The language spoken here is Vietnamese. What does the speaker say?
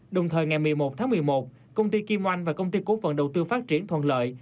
đồng thời ngày một mươi một tháng một mươi một công ty kim oanh và công ty cổ phần đầu tư phát triển thuận lợi